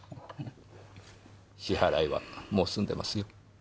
支払いはもう済んでますよ。